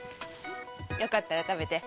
よかったら食べて。